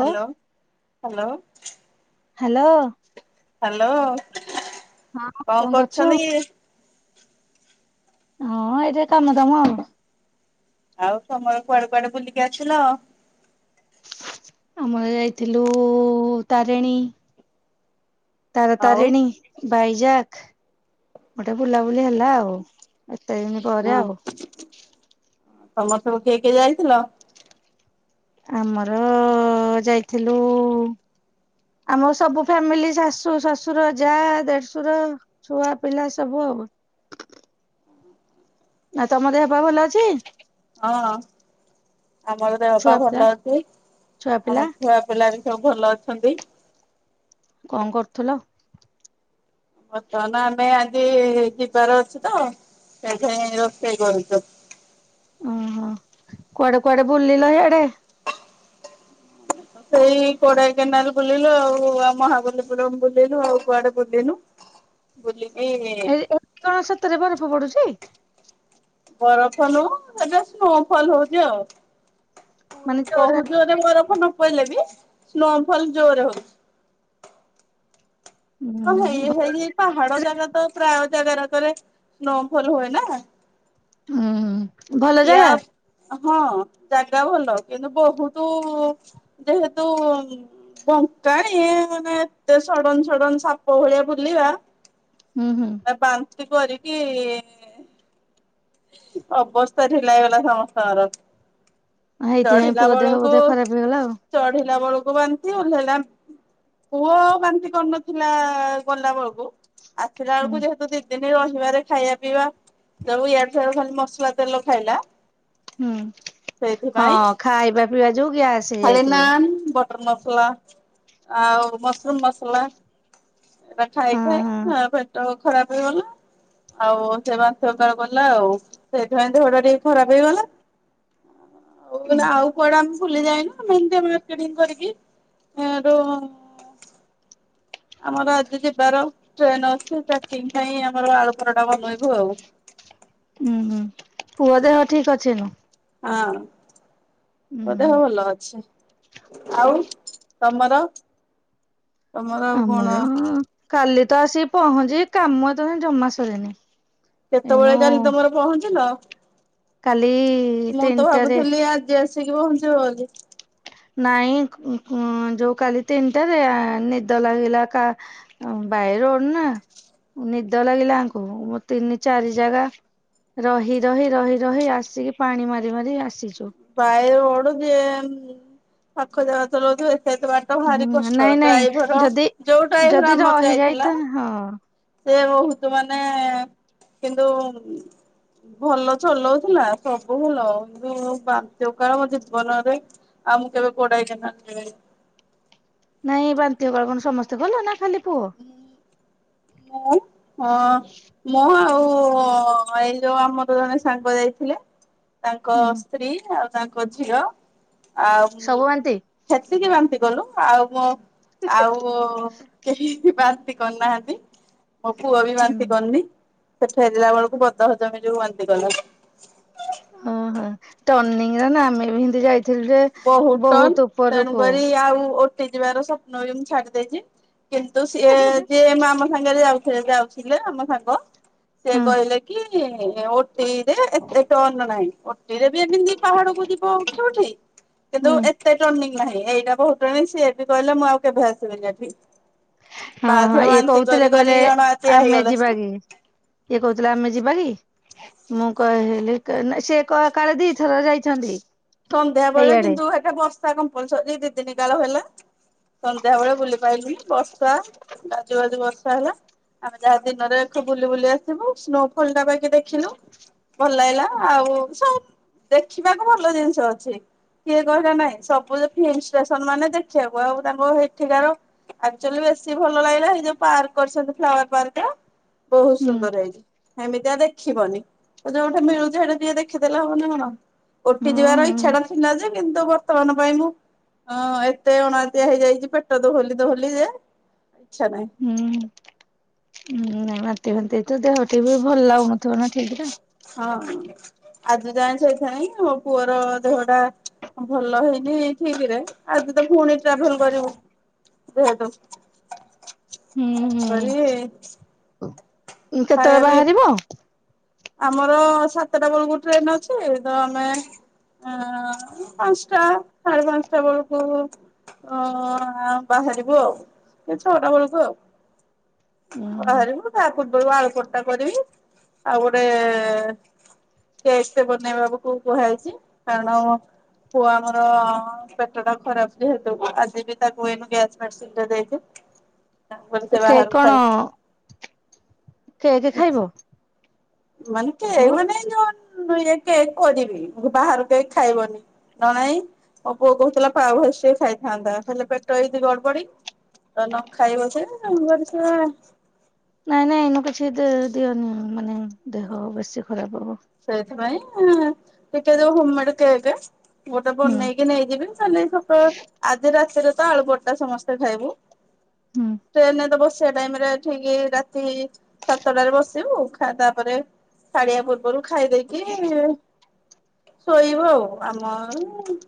Hello hello. Hello. Hello ହଁ କଣ କଣ କରୁଛୁ? କରୁଛନ୍ତି? ହଁ ଏଇ ତ କାମ ଦାମ ଆଉ। ଆଉ ସମୟ କୁଆଡ଼େ କୁଆଡ଼େ ବୁଲିକି ଆସିଲ? ଆମର ଯାଇଥିଲୁ ତାରିଣୀ। ତାର ଆଉ ତାରିଣୀ ବାଇଜାକ ଗୋଟେ ବୁଲାବୁଲି ହେଲା ଆଉ। ଏତେଦିନ ପରେ ହଁ ଆଉ ତମର ସବୁ କିଏ କିଏ ଯାଇଥିଲ? ଆମର ଯାଇଥିଲୁ ଆମ ସବୁ ଫ୍ୟାମିଲି ଶାଶୁ ଶ୍ୱଶୁର ଯା ଦେଢ଼ଶୁର ଛୁଆ ପିଲା ସବୁ ଆଉ ଆଉ ତମ ଦେହ ପା ଭଲ ଅଛି? ହଁ ଆମର ଦେହ ପା ଛୁଆ ପିଲା ଭଲ ଅଛି। ଛୁଆ ପିଲା ଆମ ଛୁଆ ପିଲା ସବୁ ଭଲ ଅଛନ୍ତି। କଣ କରୁଥିଲ? ବର୍ତ୍ତମାନ ଆମେ ଆଜି ଯିବାର ଅଛି ତ ସେଥିପାଇଁ ରୋଷେଇ କରୁଛୁ। ଓହୋ କୁଆଡ଼େ କୁଆଡ଼େ ବୁଲିଲ ହିଆଡ଼େ? ସେଇ କୋଡ଼େଇ କେନାଲ ବୁଲିଲୁ ଆଉ ମହାବଲୀପୁରମ ବୁଲିଲୁ ଆଉ କୁଆଡ଼େ ବୁଲିନୁ? ବୁଲିକି। ସେଠି କଣ ସତରେ ବରଫ ପଡୁଛି? ବରଫ ନୁହଁ ଏଟା ସ୍ନୋଫଲ ହଉଛି ଆଉ। ମାନେ ଜୋରେ ବହୁତ୍ ଜୋରରେ ଜୋରରେ ବରଫ ନ ପଡ଼ିଲେ ବି ସ୍ନୋଫଲ୍ ଜୋରରେ ହଉଛି। ହଁ ହୁଁ ହେଇ ଭଲ ହେଇ ପାହାଡ଼ ଜାଗା ତ ପ୍ରାୟ ଜାଗାରେକରେ ସ୍ନୋଫଲ ହୁଏ ନା। ହଁ। ଏହା। ହଁ ଜାଗା ଭଲ କିନ୍ତୁ ବହୁତ ଯେହେତୁ ବଙ୍କାଣି ମାନେ ଏତେ ସଡ଼ନ୍ ସଡ଼ନ୍ ସାପ ଭଳିଆ ବୁଲିବା। ହୁଁ ହୁଁ। ଆ ବାନ୍ତି କରିକି। ଅବସ୍ଥା ଢିଲା ହେଇଗଲା ସମସ୍ତଙ୍କର। ହେଇଥିପାଇଁ ଚଢିଲା ପୁଅ ଦେହ ବେଳକୁ ବୋଧେ ଖରାପ ହେଇଗଲା ଆଉ। ଚଢିଲା ବେଳକୁ ବାନ୍ତି ଓଲ୍ହେଇଲା। ପୁଅ ବାନ୍ତି କରି ନଥିଲା ଗଲା ବେଳକୁ। ଆସିଲା ହୁଁ ବେଳକୁ ଯେହେତୁ ଦି ଦିନ ରହିବାରେ ଖାଇବା ପିଇବା ସବୁ ୟା ସିଆଡୁ ଖାଲି ମସଲା ତେଲ ଖାଇଲା। ହୁଁ ସେଇଥିପାଇଁ ହଁ ଖାଇବା ପିଇବା ଯୋଗୁ ଗ୍ୟାସ। ଖାଲି ନାନ୍ ବଟର ମସଲା ଆଉ ମସରୁମ ମସଲା। ସେଇଟା ଖାଇ ହଁ ଖାଇ ହଁ ଏ ପେଟ ଖରାପ ହେଇଗଲା। ଆଉ ସେ ବାନ୍ତି ଓକାଳ କଲା ଆଉ ସେଇଥିପାଇଁ ଦେହଟା ଟିକେ ଖରାପ ହେଇଗଲା। ଆଉ ଏଇନା ଆଉ କୁଆଡା ଆମେ ବୁଲି ଯାଇନୁ। ଆମେ ଏମିତି ମାରକେଟିଂ କରି କି ଏ ଯୋଉ। [inaudible] ଆମର ଆଜି ଯିବାର ଟ୍ରେନ ଅଛି ପ୍ୟାକିଂ ପାଇଁ ଆମର ଆଳୁପରଟା ବନେଇବୁ ଆଉ। ଉଁ ହୁଁ ପୁଅ ଦେହ ଠିକ ଅଛିନୁ। ହଁ ପୁଅ ଦେହ ହୁଁ ଭଲ ଅଛି। ଆଉ ତମର ତମର ଆଉ ଆମର କଣ। କାଲି ତ ଆସିକି ପହଁଞ୍ଚିଲି କାମ ଏତ ବେଳ ଯାକେ ଜମା ସରିନି। ଏଇନୁ କେତେବେଳେ କାଲି ତମର ପହଞ୍ଚିଲ। କାଲି। ମୁଁ ତ ତିନିଟାରେ ଭାବୁଥିଲି ଆଜି ଆସିକି ପହଞ୍ଚିବ ବୋଲି। ନାଇଁ ଉଁକ୍ ଉଁ କ୍ ଯୋଉ କାଲି ତିନିଟାରେ ନିଦ ଲାଗିଲା କା ଅଁ ବାଇ ରୋଡ ନା ନିଦ ଲାଗିଲା ଆଙ୍କୁ ମୁ ତିନି ଚାରି ଜାଗା। ରହି ରହି ରହି ରହି ଆସିକି ପାଣି ମାରି ମାରି ଆସିଛୁ। ବାଏ ରୋଡ଼ ଯିଏ ପାଖ ଜାଗା ଚଲାଉଥିବ ଏତେ ଏତେ ବାଟ। ତ ଭାରି ହୁଁ କଷ୍ଟ ନାଇଁ ନାଇଁ ଡ୍ରାଇଭର ଯଦି ଯୋଉ ଯଦି ଡ୍ରାଇଭର ଆମର ରହିଯାଇଥା ଯାଇଥିଲା। ହଁ ସେ ବହୁତ ମାନେ କିନ୍ତୁ। ଭଲ ଚଲଉଥିଲା ସବୁ ଭଲ କିନ୍ତୁ। ବାନ୍ତି ଓକାଳ ମୋ ଜୀବନରେ ଆଉ ମୁଁ କେବେ ଗୋଡେଇ କିନା ଯିବିନି। ନାଇଁ ବାନ୍ତି ଓକାଳ କଣ ସମସ୍ତେ କଲେ ନା ଖାଲି ପୁଅ। ମୁଁ ହଁ। ମୁଁ ଆଉ ଏଇ ଯୋଉ ଆମର ଜଣେ ସାଙ୍ଗ ଯାଇଥିଲେ। ତାଙ୍କ ହୁଁ ସ୍ତ୍ରୀ ଆଉ ତାଙ୍କ ଝିଅ ଆଉ। ସବୁ ବାନ୍ତି ସେତିକି ବାନ୍ତି କଲୁ ଆଉ ମୋ ଆଉ କେହି। ବାନ୍ତି କରି ନାହାନ୍ତି ମୋ ପୁଅ ବି ବାନ୍ତି କରନି। ସେ ଫେରିଲା ବେଳକୁ ବଦହଜମି ଯୋଗୁ ବାନ୍ତି କଲା। ଓହୋ ଟିର୍ନିଙ୍ଗ ରେ ନା ଆମେ ବି ସେମତି ଯାଇ ବହୁତ ଟର୍ନ୍ ତେଣୁକରି ଆଉ ଓ ଓଟି ଯିବାର ସପ୍ନ ବି ମୁଁ ଛାଡି ଦେଇଛି କିନ୍ତୁ ସିଏ ଯିଏ ମ୍ ଆମ ସାଙ୍ଗରେ। ସାଙ୍ଗ ରେ ଯାଉଥିଲେ ଯିଏ ଆଉ ଥିଲେ ଆମ ସାଙ୍ଗ ସେ ହୁଁ କହିଲେ କି ଓ ଟିରେ ଏତେ ଟର୍ନ ନାହିଁ ଓଟିରେ ବି ଏମିତି ପାହାଡକୁ ଯିବ ଉଠ ଉଠି। କିନ୍ତୁ ହୁଁ ଏତେ ଟର୍ନିଂ ନାହିଁ ଏଇଟା ବହୁତ ଟର୍ନିଂ ସିଏ ବି କହିଲେ ମୁଁ ଆଉ କେବେ ଆସିବିନି ଏଠିକି। ହଁ ହଁ ଇଏ କହୁଥିଲେ କହିଲେ ଅଣଆତିଆ ଆମେ ହେଇଗଲେ। ଯିବା କି ଇଏ କହୁଥିଲେ ଆମେ ଯିବା କି। ମୁଁ କହିଲି ସେ କ କାଳେ ଦିଥର ଯାଇଛନ୍ତି। ସନ୍ଧ୍ୟା ବେଳେ ସେଇଆଡେ କିନ୍ତୁ ହେଟା ବର୍ଷା କମ୍ପଲସରୀ ଦି ଦିନ୍ କାଳ ହେଲା। ସନ୍ଧ୍ୟା ବେଳେ ବୁଲି ପାଇଲିନି ବର୍ଷା ଗାଜୁ ଗାଜୁ ବର୍ଷା ହେଲା। ଆମେ ଯାହା ଦିନରେ ବୁଲି ବୁଲି ଆସିବୁ ସ୍ନୋ ଫଲ ଟା ବାକି ଦେଖିଲୁ। ଭଲ ଲାଗିଲା ଆଉ ସବୁ ଦେଖିବାକୁ ଭଲ ଜିନିଷ ଅଛି। କିଏ କହିଲା ନାଇଁ ସବୁ ଫିଲ୍ମ ଷ୍ଟେସନ ମାନେ ଦେଖିବାକୁ ଆଉ ତାଙ୍କ ସେଠିକାର। ଆକ୍ଚୁଆଲି ବେଶୀ ଭଲ ଲାଗିଲା ସେଇ ଯୋଉ ପାର୍କ କରିଛନ୍ତି ପ୍ଲାୱର ପାର୍କରେ ବହୁତ ହୁଁ ସୁନ୍ଦର ହେଇଛି ହେମିତିଆ ଦେଖ ଦେଖିବନି ତ ଯୋଉଟେ ମିଳୁଛି ହେ ଟିକେ ଦେଖିଦେଲେ ହବ ନା କଣ ହୁଁ ଓଟି ଯିବାର ଇଚ୍ଛା ଟା ଥିଲା ଯେ କିନ୍ତୁ ବର୍ତ୍ତମାନ ପାଇଁ ମୁଁ ଅଁ ଏତେ ଅଣାଦିଆ ହେଇଯାଇଛି ପେଟ ଦୋହଲି ଦହଲି ଯେ ଇଚ୍ଛା ନାଈଁ ହୁଁ ହୁଁ ନାଇଁ ବାନ୍ତି ଭାନ୍ତି ତ ଦେହ ଟିକ ବି ଭଲ ଲାଗୁନଥିବ ନା ଠିକ୍ ରେ ହଁ ଆଜି ଯାଏଁ ସେଇଥିପାଇଁ ଆଉ ପୁଅର ଦେହ ଟା ଭଲ ହେଇନି ଠିକ୍ ରେ ଆଜି ତ ପୁଣି ଟ୍ରାଭେଲ କରିବୁ ଯେହେତୁ ତେଣୁକରି ହୁଁ ହୁଁ ଖାଇବା କେତେବେଳେ ବି ବାହାରିବ? ଆମର ସାତଟା ବେଳକୁ ଟ୍ରେନ ଅଛି ତ ଆମେ ହ ପାଞ୍ଚଟା ସାଢେ ପାଞ୍ଚଟା ବେଳକୁ ଓ ଆ ବାହାରିବୁ ଆଉ ଛଅଟା ବେଳକୁ ଆଉ ଉୁଁ ହୁଁ ବାହାରିବୁ ତା ପୂର୍ବରୁ ଆଳୁ ପରଟା କରିବି ଆଉ ଗୋଟେ ପେଷ୍ଟ ଟେ ବନେଇବା କୁ କୁହାଯାଇଛି କାରଣ ପୁଅ ଆମର ପେଟ ଟା ଖରାପ ବି ଯେହେତୁ ଆଜି ବି ତାକୁ ଏଇନୁ ଗ୍ୟାସ୍ ମେଡ଼ିସିନ୍ ଦେଇକି ହ ତାପରେ ସେ ବାହାରୁ କାରଣ କେକ୍ ଖାଇବ ମାନେ କେକ୍ ପୁଅ? ମାନେ ଯୋ କେକ୍ କରିବି ବାହାରୁ କେକ୍ ଖାଇବନି ନ ନାଇଁ ମୋ ପୁଅ କହୁଥିଲା ପାଓ ଭାଜି ଟିକେ ଖାଇଥାନ୍ତା ହେଲେ ପେଟ ହେଇଛିି ଗଡ ବଡି ତ ନ ଖାଇବ ସେ କଣ କରିଛ ନାଇଁ ନାଇଁ ଏଇନୁ କିଛି ଦିଅନି ମାନେ ଦେହ ବେଶି ଖରାପ ହବ ସେଇଥିପାଇଁ ଟିକେ ଯ ହୋମମେଡ କେକ୍ ଗୋଟେ ହୁଁ ବନେଇକି ନେଇଯିବି କାଲି ସକାଳ ଆଜି ରାତିରେ ତ ଆଳୁ ପଟଟା ସମସ୍ତେ ଖାଇବୁ ହୁଁ ଟ୍ରେନରେ ତ ବସ ସେ ଟାଇମ୍ ରେ ଠିକ୍ ରାତି ସାତଟାରେ ବସିବୁ ତାପରେ ଛାଡ଼ିବା ପୂର୍ବ ଖାଇଦେଇକି ଶୋଇବୁ ଆଉ ଆମର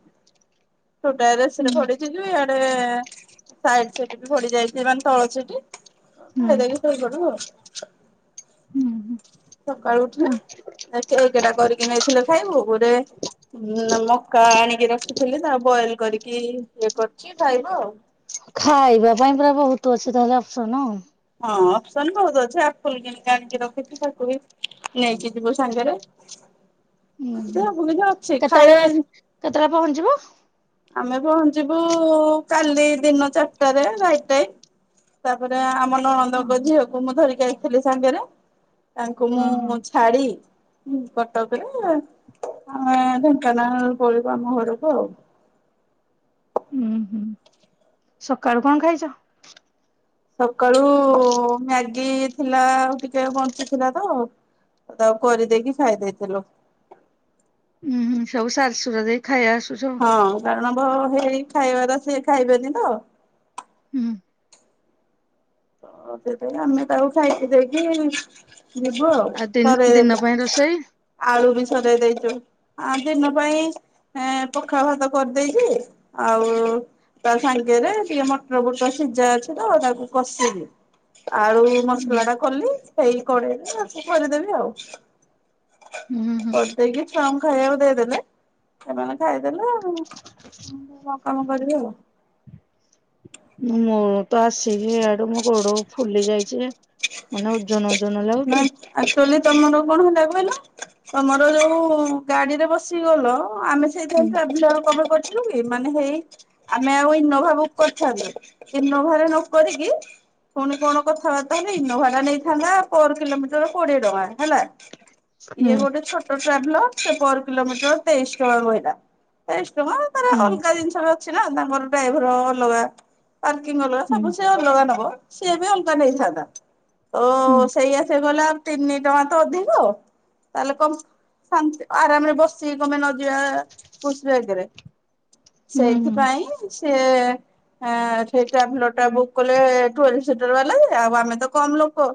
ଛୋଟାରେ ହୁଁ ଭଡିଛି ଯ ଇଆଡେ ନାଇଟ୍ ସିଫ୍ଟ୍ ବି ଭଡି ଯାଇଛି ମାନେ ତଳ ସେଠ ଖାଇ ହୁଁ ଦେଇକି ଶୋଇପଡ଼ିବୁ ଆଉ ହୁଁ। ସକାଳୁ ଉଠିଲେ କେକ୍ ଟା କରିକି ନେଇଥିଲେ ଖାଇବୁ ଗୋଟେ ନା ମକା ଆଣିକି ରଖିଥିଲି ତା ବଏଲ କରିକି ଇଏ କରୁଛି ଖାଇବ ଆଉ ଖାଇବା ପାଇଁ ପୁରା ବହୁତ ଅଛି ତାହେଲେ ଅଫ୍ସ୍ସନ ହଁ ଅପ୍ସନ୍ ବହୁତ ଅଛି ଆପୁଲ କିି ଆଣିକି ରଖିଛି ତାକୁ ବି ନେଇକି ଯିବୁ ସାଙ୍ଗରେ ହ ସେ ବୁଲି କେତେବେଳେ କେତେବେଳେ ପହଞ୍ଚିବ? ଆମେ ପହଞ୍ଚିବୁ କାଲି ଦିନ ଚାରିଟାରେ ରାଇଟ ଟାଇ ତାପରେ ଆମ ଓହୋ ନଣନ୍ଦଙ୍କ ଝିଅକୁ ମୁଁ ଧରିକଥିଲି ସାଙ୍ଗରେ ତାଙ୍କୁ ହଁ ହଁ ମୁଁ ଛାଡି କଟକରେ ଆମେ ଢେଙ୍କାନାଳ ପଳିବୁ ଆମ ଘରକୁ ଆଉ। ଉୁଁ ହୁଁ। ସକାଳୁ କଣ ଖାଇଛ। ସକାଳୁ ମ୍ୟାଗି ଥିଲା ଆଉ ଟିକେ ବଞ୍ଚିଥିଲା ତ ତାଉ କରିଦେଇକି ଖାଇ ଦେଇେଇଥିଲୁ। ହୁଁ ହଁ ସବୁ ସାରା ସୁରା ଦେଇ ଖାଇ ଆସୁଚ। କାରଣବ ହେଇ ଖାଇବାର ସିଏ ଖାଇବେନି ତ ହୁଁ ତ ସେଇତୀ ଇଁ ଆମେ ତାକୁ ଖାଇକି ଦେଇକି ଯିବୁ ଆଉ ଦିନ୍ ସରେ ଦିନ ପାଇଁ ରୋଷେଇ? ଆଳୁ ବି ସରେଇ ଦେଇଛୁ ଆ ଦିନ ପାଇଁ ଏ ପଖାଳ ଭାତ କରିଦେଇଛିି ଆଉ ତା ସାଙ୍ଗେରେ ଟିକେ ମଟର ବୁଟ ସିଜା ଅଛି ତ ତାକୁ କଷିବି। ଆଳୁ ମସଲା ଟା ହୁଁ କଲି ସେଇ କଡେଇରେ ଆକୁ କରିଦେବି ଆଉ। ହୁଁ। ହୁଁ। କରିଦେଇକି ଛୁଆଙ୍କୁ ଖାଇବାକୁ ଦେଇଦେଲେ ସେମାନେ ଖାଇଦେଲେ ଆଉ ମୁଁ ମୋ କାମ କରିବି ଆଉ। ମୁ ତ ଆସିକିଇଆଡୁ ମୋ ଗୋଡ ଫୁଲି ଯାଇଛି ମାନେ ଜନ ଅଜନ ଲାଗୁଛି? ଆକଚୁଲି ତମର କଣ ହେଲା କହିଲ? ତମର ଯୋଉ ଗାଡିରେ ବସିଗଲ ଆମେ ହୁଁ ସେଇଥିାଇ ଟ୍ରାଭିଲ କବ ଥିଲୁ କି ମାନେ ହେଇ ଆମେ ଆଉ ଇନୋଭା ବୁକ୍ କରିଥାନ୍ତୁ ଇନୋଭାରେ ନକ୍ କରିକି ପୁଣି କଣ କଥାବାର୍ତ୍ତା ହେଲେ ଇନୋଭା ଟା ନେଇଥାନ୍ତା ପୋର କିଲୋମିଟର କୋଡିଏ ଟଙ୍କା ହେଲା ହୁଁ ଇଏ ଗୋଟେ ଛୋଟ ଅ ଟ୍ରାଭଲର୍ ସେ ପୋର କିଲୋମିଟର ତେଇଶ୍ ଟଙ୍କା କହିଲା। ତେଇଶ୍ ଟଙ୍କା ତାର ହୁଁ ଅଲଗା ଜିନିଷ ଅଛି ନା ତାଙ୍କର ଡାଇଭର ଅଲଗା ପାର୍କିଂ ଅଲଗା ହୁଁ ସବୁ ସେ ଅଲଗା ନବ ସିଏ ବି ଅଲଗା ନେଇଥାନ୍ତା ତ ହୁଁ। ସେଇଆ ସେ ଗଲା ତିନି ଟଙ୍କା ତ ଅଧିକ ତାହେଲେ କମ ଶା ଆରାମରେ ବସି ସି କଣ ପାଇଁ ନ ଯିବା ପୁଷ୍ ବ୍ୟାଗେରେ ହୁଁ ହୁଁ। ସେଇଥିପାଇଁ ସେ ହଁ ସେଇ ଟ୍ରାଭେଲର ଟା ବୁକ୍ କଲେ ଟ୍ୱେଲବ ସିଟର ବାଲା ଆଉ ଆମେ ତ କମ ଲୋକ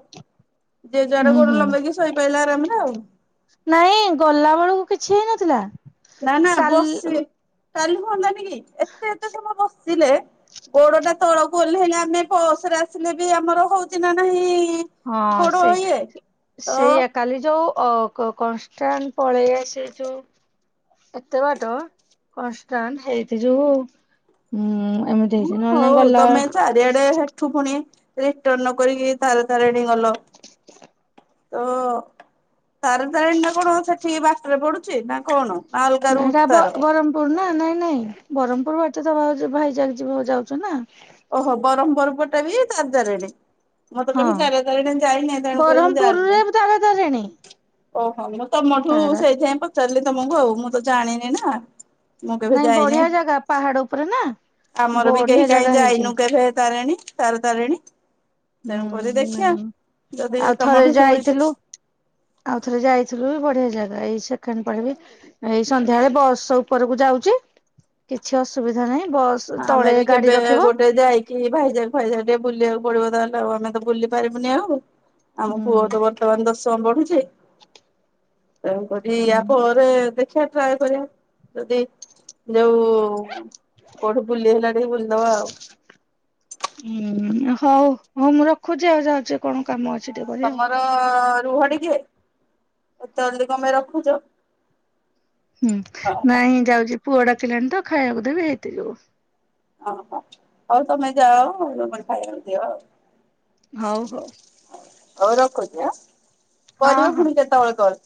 ଜେଜୁଆଡ ହୁଁ ଗୋଡ଼ ହୁଁ ଲମ୍ବେଇକି ଶୋଇ ପଇଲା ଆରାମ ରେ ଆଉ। ନାଇଁ ଗଲା ବେଳକୁ କିଛି ହେଇନଥିଲା ନା ନା କାଲି ବସି କାଲି ହୁଅନ୍ତାନି କି ଏତେ ଏତେ ସମୟ ବସିିତୀଲେ ଗୋଡ ଟା ତଳକୁ ଓଲେହିଲେ ଆମେ ପସରେ ଆସିଲେ ବି ଆମର ହଉଛି ନା ନାହିଁ? ହଁ ଗୋଡ ଇଏ ସେଇ ତ ସେଇଆ କାଲି ଯୋଉ ଅ କ କନଷ୍ଟାଣ୍ଟ ପଳେଇ ଆସିଚୁ ଏତେ ବାଟ କନଷ୍ଟାଣ୍ଟ ହେଇଥି ଯୋଉ ଉ ଏମିତି ହେଇଛି ନହେଲେ ଗଲା ଆ ଠୁ ପୁଣି ରିଟନ କରିକି ତାରା ତାରିଣୀ ଗଲ। ତ ତାରା ତାରିଣୀଟା କଣ ସେଠିକି ବାଟରେ ପଡୁ ଚି ନା କଣ? ନା ଅଲଗା ରୁଟ୍ ତାର? କନ୍ ନା ନାଇଁ ନାଇଁ ବରହମପୁର ବାଟେ ତ ଭାଉଜ ଭାଇ ଯିବ ଯାଉଛି ନା? ଓହୋ ବରମ ପୁର ପଟେ ବି ତାରା ତାରିଣୀ? ମତେ ହଁ କଇଲେ ତାରା ତାରିଣୀ ଯାଇନି ତେଣୁ କରି ମୁଁ ବ୍ରହ୍ମପୁରରେ ଯାଣିନି। ତାରା ତାରିଣୀ ଓହୋ ମୁଁ ତମଠୁ ତାରା ସେଇଥିପାଇଁ ପଚାରିଲି ତମକୁ ଆଉ ମୁଁ ତ ଜାଣିନି ନା। ମୁଁ କେବେ ନାଇଁ ଯାଇନି ବଢିଆ ଜାଗା ପାହାଡ ଉପରେ ନା ଆମର ବି ବଢିଆ କେହି କାହିଁ ଜାଗା ହେଇଛି। କେଭେ ତାରେଣୀ ତାର ତାରେଣୀ ହୁଁ ନାହିଁ ଯଦି ଆଉ ଥରେ ତମଠୁ ଶୁଣିଛେ ଯାଇଥିଲୁ ଆଉ ଥରେ ଯାଇଥିଲୁ ବଢିଆ ଜାଗା ଏଇ ସେକେଣ୍ଡ ପରେ ବି ଏଇ ସନ୍ଧ୍ୟାବେଳେ ବସ ଉପରକୁ ଯାଉଚି। କିଛି ଅସୁବିଧା ନାହିଁ ବସ୍ ଆମେ ତଳେ ବି ଗାଡି କେବେ ରଖିବ। ଗୋଟେ ଯାଇ କି ଭାଇଜାକୁ ଫାଇଯାକ୍ ଟିକେ ବୁଲିବାକୁ ପଡିବ ତାହେଲେ ଆଉ ଆମେ ତ ବୁଲି ପାରିବୁନି ଆଉ ଆମ ହୁଁ ପୁଅ ତ ବର୍ତ୍ତମାନ ଦଶମ ପଢୁଛି। ତେଣୁ କରି ଆ ହୁଁ ପରେ ଦେ ଖିଆ ଟ୍ରାଏ କରିବା ଯଦି ଯୋଉ କୋଉଠୁ ବୁଲି ହେଲା ଟିକେ ବୁଲିଦବା ଆଉ। ହୁଁ ହଉ ହଉ ମୁଁ ରଖୁଚି ଆଉ ଯାଉଛି କଣ କାମ ଅଛି ଟିକେ କରେ ଆଉ। ର ରୁହ ଟିକେ ଏତେଅଲ୍ଦି କଣ ପାଇଁ ରଖୁଚ? ହୁଁ ନାଇଁ ଯାଉଚି ପୁଅ ଡାକିଲାଣି ତ ଖାଇବାକୁ ଦେବି ହେଇତି ଯୋଗୁ। ଓହୋ ହଉ ତମେ ଯାଅ [unintelligible] ଖାଇବାକୁ ଦିଅ ଆଉ। ହଉ ହଉ ହଉ ରଖୁଚି ଆଁ ହଁ କରିବ ହଁ। ଫୁଣି କେତବେଳେ କଲ୍।